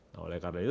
nah oleh karena itu